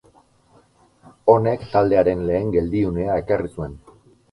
Honek, taldearen lehen geldiunea ekarri zuen.